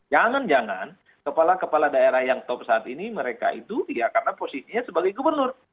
jangan jangan kepala kepala daerah yang top saat ini mereka itu ya karena posisinya sebagai gubernur